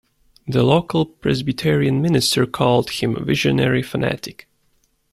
The local Presbyterian minister called him a visionary fanatic.